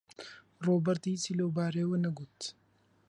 ڕۆبەرت هیچی لەو بارەیەوە نەگوت.